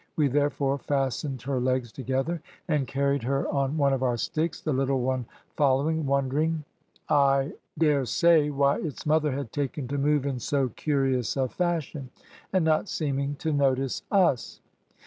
We therefore fastened her legs together, and carried her on one of our sticks, the little one following, wondering, I dare say, why its mother had taken to move in so curious a fashion, and not seeming to notice us.